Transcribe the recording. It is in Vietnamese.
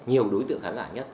nhiều đối tượng khán giả nhất